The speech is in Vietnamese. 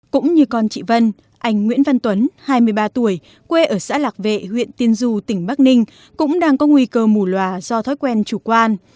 cũng như con chị vân anh nguyễn văn tuấn hai mươi ba tuổi quê ở xã lạc vệ huyện tiên du tỉnh bắc ninh cũng đang có nguy cơ mù loà do thói quen chủ quan